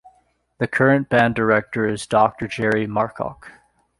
The current band director is Doctor Jerry Markoch.